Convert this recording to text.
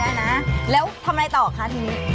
ได้ไหมคะเร็วทำอะไรต่อคะทีนี้